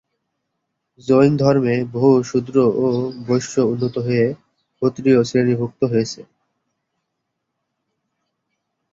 জৈনধর্মে বহু শূদ্র ও বৈশ্য উন্নত হয়ে ক্ষত্রিয় শ্রেণীভুক্ত হয়েছে।